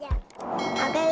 dan masa mereka